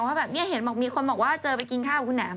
เห็นมันบอกมีคนบอกว่าเจอไปกินข้าวหรือแน๊ม